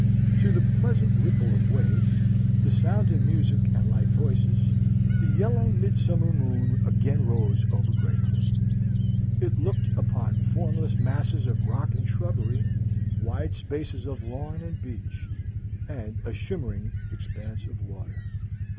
To the pleasant ripple of waves, the sound of music and light voices, the yellow midsummer moon again rose over Greyport. It looked upon formless masses of rock and shrubbery, wide spaces of lawn and beach, and a shimmering expanse of water.